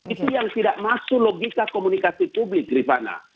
itu yang tidak masuk logika komunikasi publik rifana